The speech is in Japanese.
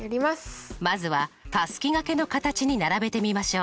まずはたすきがけの形に並べてみましょう。